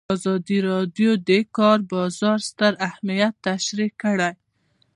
ازادي راډیو د د کار بازار ستر اهميت تشریح کړی.